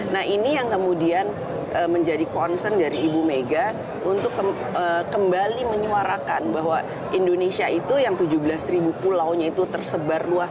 nah ini yang kemudian menjadi concern dari ibu mega untuk kembali menyuarakan bahwa indonesia itu yang tujuh belas ribu pulaunya itu tersebar luas